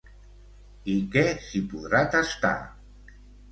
I què s'hi podrà tastar?